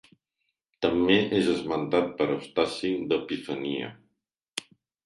També és esmentat per Eustaci d'Epifania.